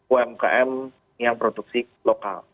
umkm yang produksi lokal